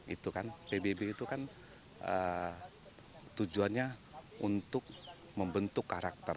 itu kan pbb itu kan tujuannya untuk membentuk karakter